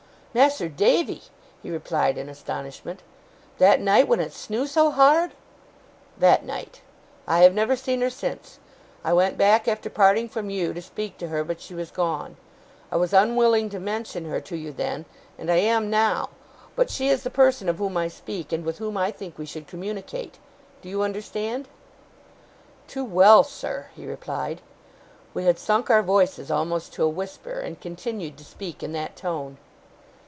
'Mas'r Davy!' he replied in astonishment. 'That night when it snew so hard?' 'That night. I have never seen her since. I went back, after parting from you, to speak to her, but she was gone. I was unwilling to mention her to you then, and I am now; but she is the person of whom I speak, and with whom I think we should communicate. Do you understand?' 'Too well, sir,' he replied. We had sunk our voices, almost to a whisper, and continued to speak in that tone.